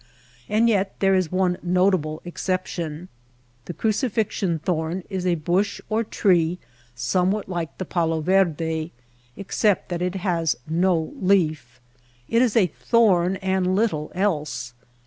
And yet there is one notable exception. The crucifix ion thorn is a bush or tree somewhat like the palo verde, except that it has no leaf. It is a thorn and little else.